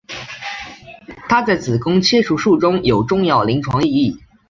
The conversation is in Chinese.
它在子宫切除术中有重要临床意义。